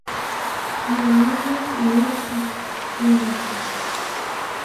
Muú yasiré ihkwérači.